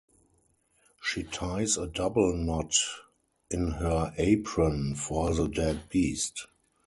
She ties a double knot in her apron for the dead beast.